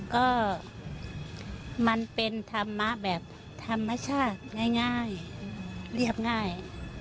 ก็มันเป็นธรรมะแบบธรรมชาติง่ายเรียบง่าย